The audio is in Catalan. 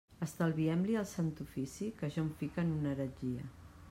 Estalviem-li al Sant Ofici que jo em fique en una heretgia.